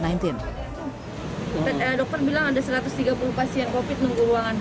saya bilang ada satu ratus tiga puluh pasien covid sembilan belas menunggu ruangan